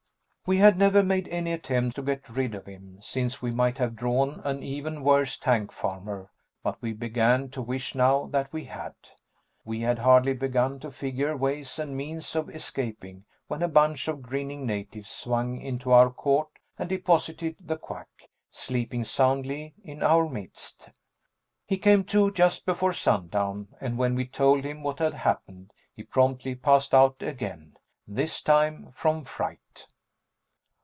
We had never made any attempt to get rid of him, since we might have drawn an even worse tank farmer, but we began to wish now that we had. We had hardly begun to figure ways and means of escaping when a bunch of grinning natives swung into our court and deposited the Quack, sleeping soundly, in our midst. He came to just before sundown, and when we told him what had happened, he promptly passed out again this time from fright.